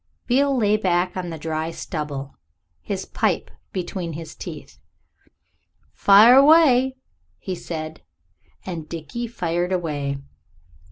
Beale lay back on the dry stubble, his pipe between his teeth. "Fire away," he said, and Dickie fired away.